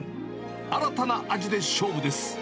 新たな味で勝負です。